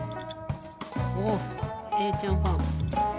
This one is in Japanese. おおっ永ちゃんファン。